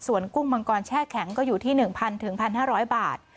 ส่วนกุ้งมังกรแช่แข็งก็อยู่ที่๑๐๐๑๕๐๐บาท